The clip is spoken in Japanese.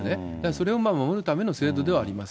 それを守るための制度ではありま